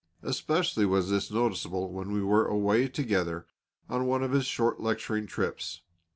Especially was this noticeable when we were away together on one of his short lecturing trips.